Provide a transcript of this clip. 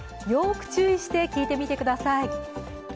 よく注意して聞いてみてください。